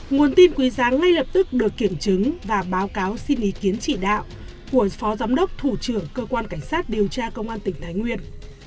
nguồn tin quý giá ngay lập tức được kiểm chứng và báo cáo xin ý kiến chỉ đạo của phó giám đốc thủ trưởng cơ quan cảnh sát điều tra công an tỉnh thái nguyên